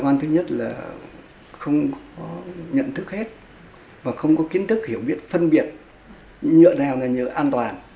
con thưa nhất là không nhận thức hết và không có kiến thức hiểu biết phân biệt nhựa nào như an toàn